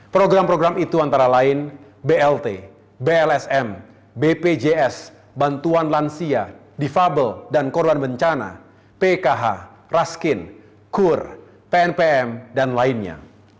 program program itu antara lain blt blsm bpjs bantuan lansia difabel dan korban bencana pkh raskin kur pnpm dan lainnya